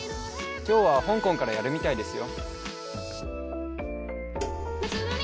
今日は香港からやるみたいですよ。